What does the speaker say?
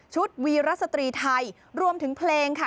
วีรสตรีไทยรวมถึงเพลงค่ะ